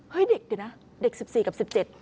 เด็กเดี๋ยวนะเด็ก๑๔กับ๑๗